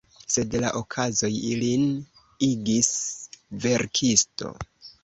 Sed la okazoj lin igis verkisto.